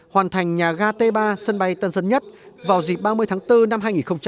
hoàn thành nhà ga t ba sân bay tân sơn nhất vào dịp ba mươi tháng bốn năm hai nghìn hai mươi